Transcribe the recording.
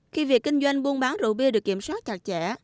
khi việc kinh doanh buôn bán rượu bia được kiểm soát chặt chẽ